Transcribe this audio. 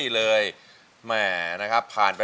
ร้องได้นะ